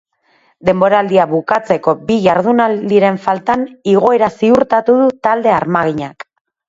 Denboraldia bukatzeko bi jardunaldiren faltan, igoera ziurtatu du talde armaginak.